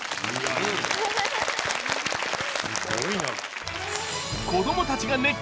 すごいな。